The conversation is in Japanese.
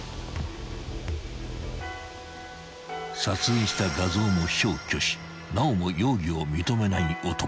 ［撮影した画像も消去しなおも容疑を認めない男］